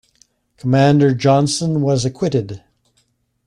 Commander Johnson was acquitted.